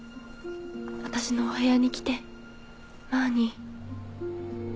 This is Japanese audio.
私のお部屋に来てマーニー。